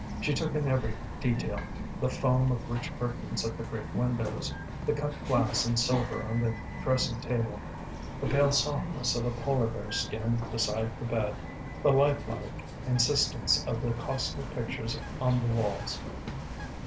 She took in every detail; the foam of rich curtains at the great windows, the cut glass and silver on the dressing table, the pale softness of a polar bear skin beside the bed, the lifelike insistence of the costly pictures on the walls.